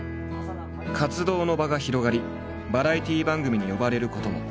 活動の場が広がりバラエティー番組に呼ばれることも。